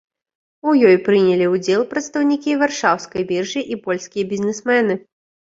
У ёй прынялі ўдзел прадстаўнікі варшаўскай біржы і польскія бізнесмены.